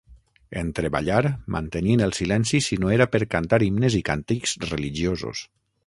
En treballar, mantenien el silenci si no era per cantar himnes i càntics religiosos.